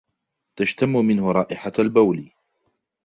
تشتمّ منه رائحة البول.